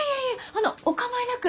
あのおかまいなく。